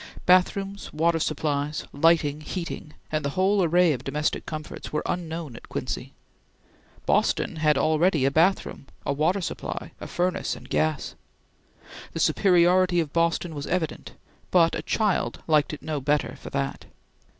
Bathrooms, water supplies, lighting, heating, and the whole array of domestic comforts, were unknown at Quincy. Boston had already a bathroom, a water supply, a furnace, and gas. The superiority of Boston was evident, but a child liked it no better for that.